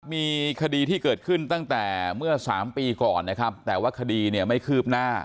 มีคดีที่เกิดขึ้นตั้งแต่เมื่อสามปีก่อนนะครับแต่ว่าคดีเนี่ยไม่คืบหน้า